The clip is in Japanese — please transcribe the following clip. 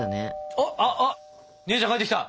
あっ姉ちゃん帰ってきた！